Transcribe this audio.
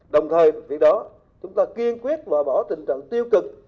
đồng thời việc đó chúng ta kiên quyết và bỏ tình trạng tiêu cực